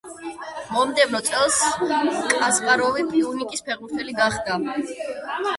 მომდევნო წელს კასპაროვი პიუნიკის ფეხბურთელი გახდა.